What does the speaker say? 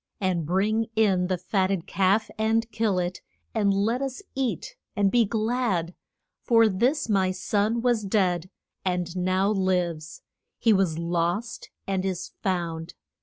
And bring in the fat ted calf, and kill it, and let us eat and be glad. For this my son was dead, and now lives; he was lost and is found.